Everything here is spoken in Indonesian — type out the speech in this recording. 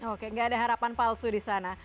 oke gak ada harapan palsu di sana